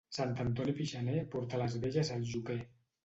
Sant Antoni pixaner porta les velles al joquer.